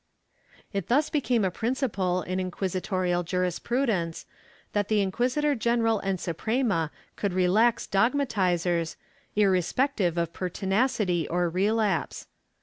It thus became a principle in inquisitorial jurisprudence that the inquisitor general and Suprema could relax dogmatizers, irre spective of pertinacity or relapse.